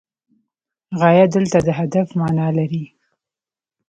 غایه دلته د هدف معنی لري.